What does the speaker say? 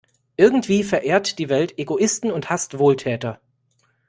Irgendwie verehrt die Welt Egoisten und hasst Wohltäter.